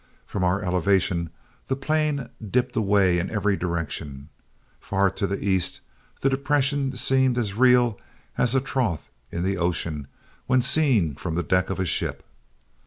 From our elevation, the plain dipped away in every direction. Far to the east, the depression seemed as real as a trough in the ocean when seen from the deck of a ship.